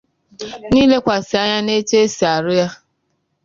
n'ilekwasị anya n'etu e si arụ ya.